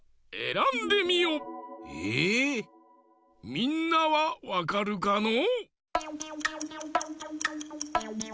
みんなはわかるかのう？